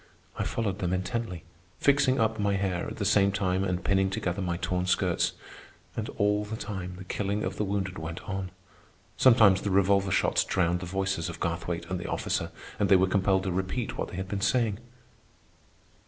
I followed them intently, fixing up my hair at the same time and pinning together my torn skirts. And all the time the killing of the wounded went on. Sometimes the revolver shots drowned the voices of Garthwaite and the officer, and they were compelled to repeat what they had been saying.